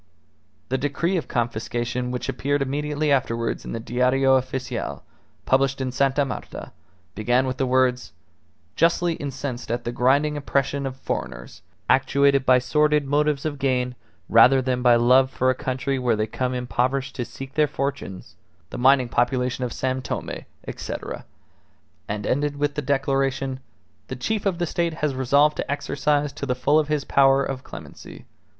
The decree of confiscation which appeared immediately afterwards in the Diario Official, published in Sta. Marta, began with the words: "Justly incensed at the grinding oppression of foreigners, actuated by sordid motives of gain rather than by love for a country where they come impoverished to seek their fortunes, the mining population of San Tome, etc. ..." and ended with the declaration: "The chief of the State has resolved to exercise to the full his power of clemency.